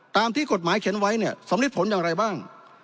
ตามที่กฎหมายเขียนไว้เนี่ยสำริดผลอย่างไรบ้าง